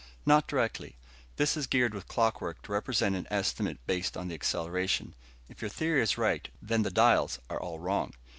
"Not directly. This is geared with clockwork to represent an estimate based on the acceleration. If your theory is right, then the dials are all wrong."